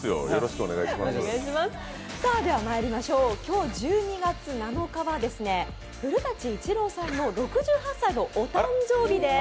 今日１２月７日は古舘伊知郎さんの６８歳のお誕生日です。